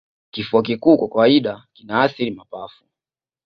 Kifua kikuu kwa kawaida kinaathiri mapafu